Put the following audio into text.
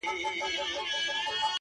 زړه مي د اشنا په لاس کي وليدی”